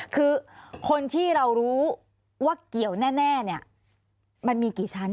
คือคนที่เรารู้ว่าเกี่ยวแน่เนี่ย